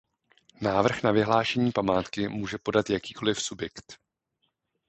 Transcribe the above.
Návrh na vyhlášení památky může podat jakýkoliv subjekt.